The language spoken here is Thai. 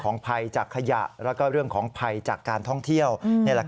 ภัยจากขยะแล้วก็เรื่องของภัยจากการท่องเที่ยว